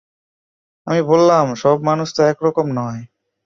আমি বললাম, সব মানুষ তো এক রকম নয়।